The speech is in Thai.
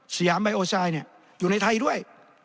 สยามไยโอไซด์อยู่ในไทยด้วย